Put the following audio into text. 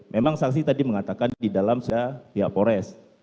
memang saksi tadi mengatakan di dalam saya pihak polres